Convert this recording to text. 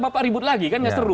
bapak ribut lagi